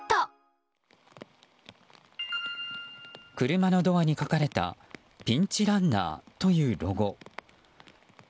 車のドアに書かれたピンチランナーというロゴ。